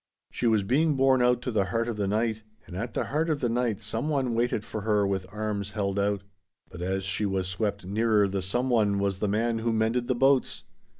She was being borne out to the heart of the night, and at the heart of the night some one waited for her with arms held out. But as she was swept nearer the some one was the man who mended the boats!